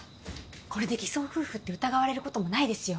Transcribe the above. これで偽装夫婦って疑われることもないですよ